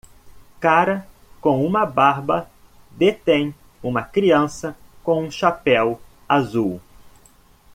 Cara com uma barba detém uma criança com um chapéu azul.